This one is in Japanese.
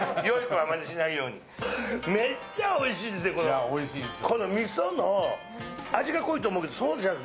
いや、おいしいんですよ。